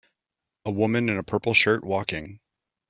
A woman in a purple shirt walking.